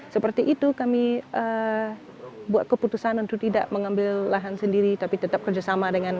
seperti itu kami buat keputusan untuk tidak mengambil lahan sendiri tapi tetap kerjasama dengan